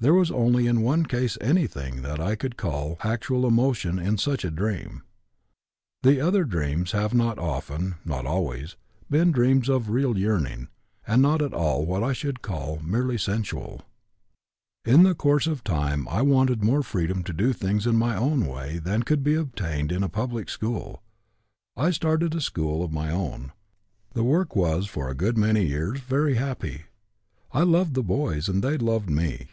There was only in one case anything that I could call actual emotion in such a dream. The other dreams have often (not always) been dreams of real yearning, and not at all what I should call merely sensual. "In the course of time I wanted more freedom to do things in my own way than could be obtained in a public school. I started a school of my own. The work was for a good many years very happy. I loved the boys, and they loved me.